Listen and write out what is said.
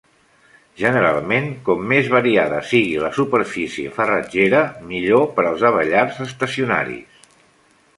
Generalment, com més variada sigui la superfície farratgera, millor per als abellars estacionaris.